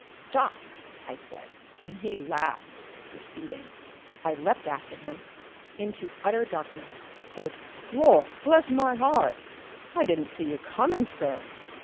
"Stop!" I said, and he laughed, receding. I leapt after him into utter darkness. THUD! "Lor' bless my 'eart! I didn't see you coming, sir!"